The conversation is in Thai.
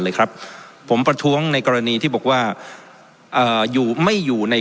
เลยครับผมประท้วงในกรณีที่บอกว่าเอ่ออยู่ไม่อยู่ใน